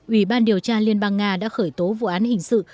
ủy ban điều tra liên bang nga đã khởi tố vụ án hình sự